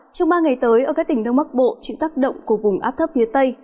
trong ba ngày tới ở các tỉnh đông bắc bộ chịu tác động của vùng áp thấp phía tây